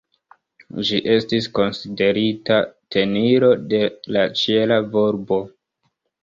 Ĝi estis konsiderita tenilo de la ĉiela volbo.